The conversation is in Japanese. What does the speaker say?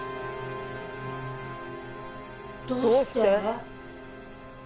どうして！？